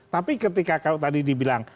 tapi ketika kalau tadi dibilang